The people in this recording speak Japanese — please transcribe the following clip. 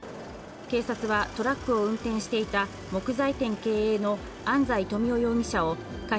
警察は、トラックを運転していた木材店経営の安在富夫容疑者を過失